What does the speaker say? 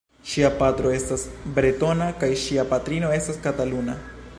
Ŝia patro estas bretona kaj ŝia patrino estas kataluna.